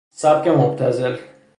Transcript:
سبک مبتذل